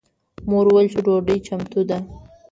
مور وویل چې ډوډۍ چمتو ده.